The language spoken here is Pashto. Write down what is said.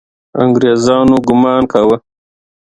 انګریزان ګمان کاوه.